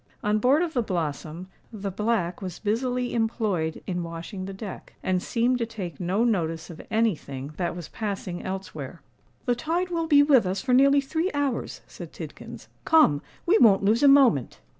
On board of the Blossom, the Black was busily employed in washing the deck, and seemed to take no notice of any thing that was passing elsewhere. "The tide will be with us for nearly three hours," said Tidkins. "Come—we won't lose a moment."